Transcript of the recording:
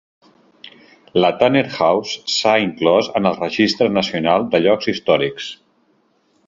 La Tanner House s'ha inclòs en el Registre nacional de llocs històrics.